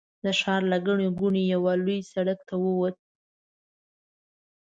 د ښار له ګڼې ګوڼې یوه لوی سړک ته ووت.